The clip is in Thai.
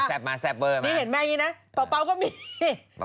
อ่ะนี่เห็นแม่นี้แบบนี้นะ